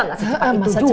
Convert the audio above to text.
nggak secepat itu juga